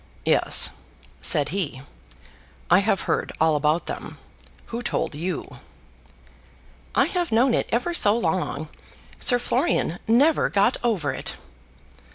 "Yes;" said he, "I have heard all about them. Who told you?" "I have known it ever so long. Sir Florian never got over it."